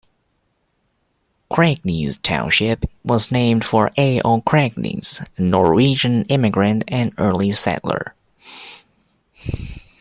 Kragnes Township was named for A. O. Kragnes, a Norwegian immigrant and early settler.